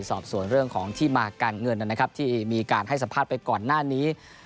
สอบส่วนเรื่องของที่มาการเงินนะครับที่มีการให้สัมภาษณ์ไปก่อนหน้านี้